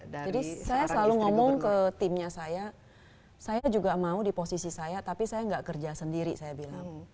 jadi saya selalu ngomong ke timnya saya saya juga mau di posisi saya tapi saya nggak kerja sendiri saya bilang